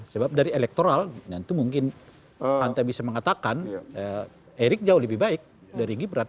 sebab dari elektoral nanti mungkin anda bisa mengatakan erick jauh lebih baik dari gibran